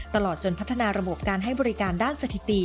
ตลอดจนพัฒนาระบบการให้บริการด้านสถิติ